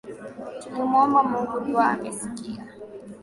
Tulimwomba Mungu dua amesikia